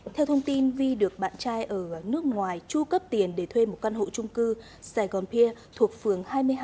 theo thông tin vi được bạn trai ở nước ngoài tru cấp tiền để thuê một căn hộ trung cư saigon pier thuộc phường hai mươi hai